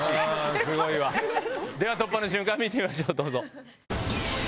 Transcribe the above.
では突破の瞬間見てみましょう。